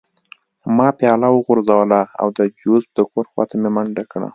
ما پیاله وغورځوله او د جوزف د کور خوا ته مې منډه کړه